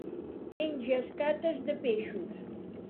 Menja escates de peixos.